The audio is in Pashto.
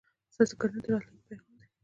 ستاسو ګډون د راتلونکي پیغام دی.